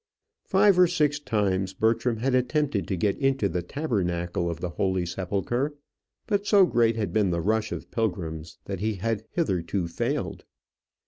Five or six times Bertram had attempted to get into the Tabernacle of the Holy Sepulchre; but so great had been the rush of pilgrims, that he had hitherto failed.